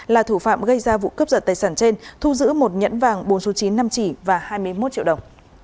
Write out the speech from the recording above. là thủ phạm gây ra vụ cướp giật tài sản trên thu giữ một nhẫn vàng bốn số chín năm chỉ và hai mươi một triệu đồng